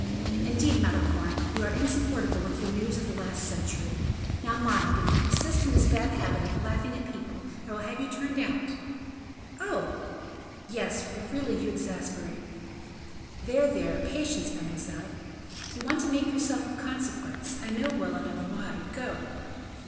"Indeed, Malicorne, you are insupportable with your news of the last century. Now, mind, if you persist in this bad habit of laughing at people, I will have you turned out." "Oh!" "Yes, for really you exasperate me." "There, there. Patience, mademoiselle." "You want to make yourself of consequence; I know well enough why. Go!"